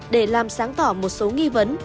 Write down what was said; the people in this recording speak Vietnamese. để làm sáng tỏ một số nghi vấn